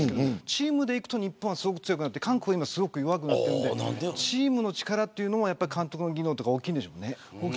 チームでいくと日本は強くなって韓国は弱くなってるんでチームの力は監督の技能が大きいんでしょうね。